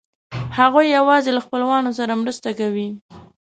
هغوی یواځې له خپلوانو سره مرسته کوي.